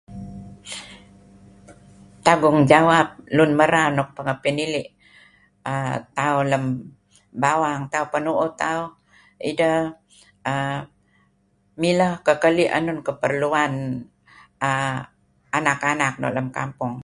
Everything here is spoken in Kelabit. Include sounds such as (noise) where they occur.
(noise) tangungjawab lun maral nuk pangah panilih um tauh lam bawang tauh panuuh tauh, idah[um]milah kakalih anun keperluan tauh um anak anak tauh lam kampung.